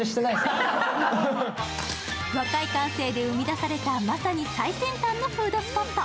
若い感性で生み出された、まさに最先端のフードスポット。